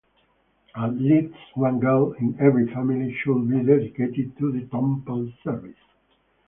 At least one girl in every family should be dedicated to the temple service.